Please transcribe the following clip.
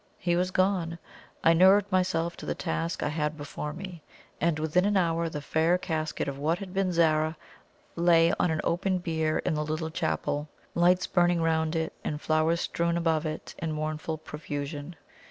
He was gone. I nerved myself to the task I had before me, and within an hour the fair casket of what had been Zara lay on an open bier in the little chapel, lights burning round it, and flowers strewn above it in mournful profusion.